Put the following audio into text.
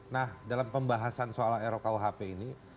nah dalam pembahasan soal rukuhp ini